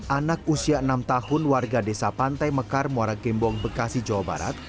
anak usia enam tahun warga desa pantai mekar muara gembong bekasi jawa barat